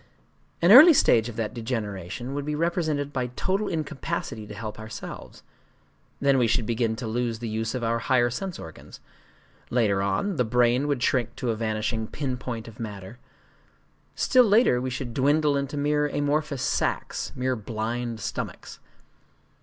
An early stage of that degeneration would be represented by total incapacity to help ourselves;—then we should begin to lose the use of our higher sense organs;—later on, the brain would shrink to a vanishing pin point of matter;—still later we should dwindle into mere amorphous sacs, mere blind stomachs.